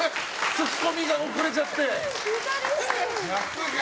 ツッコミが遅れちゃって。